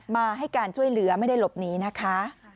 มาให้การช่วยเหลือไม่ได้หลบหนีนะคะ